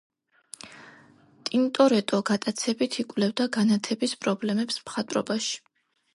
ტინტორეტო გატაცებით იკვლევდა განათების პრობლემებს მხატვრობაში.